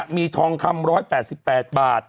มีทองคำ๑๘๘บาท